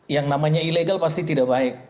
yang namanya ilegal pasti tidak baik